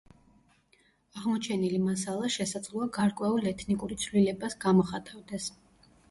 აღმოჩენილი მასალა შესაძლოა გარკვეულ ეთნიკური ცვლილებას გამოხატავდეს.